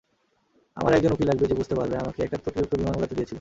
আমার একজন উকিল লাগবে যে বুঝতে পারবে, আমাকে একটা ত্রুটিযুক্ত বিমান উড়াতে দিয়েছিল।